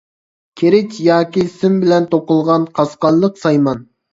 كىرىچ ياكى سىم بىلەن توقۇلغان قاسقانلىق سايمان.